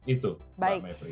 itu pak mbak efri